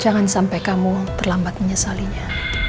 jangan sampai kamu terlambat menyesalinya